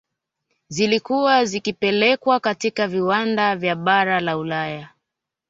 Zilikuwa zikipelekwa katika viwanda vya bara la Ulaya